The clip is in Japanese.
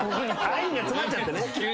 アインが詰まっちゃってね。